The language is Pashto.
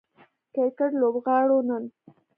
کرکټ لوبغاړو نن